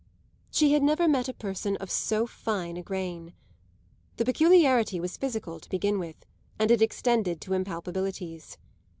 She had never met a person of so fine a grain. The peculiarity was physical, to begin with, and it extended to impalpabilities.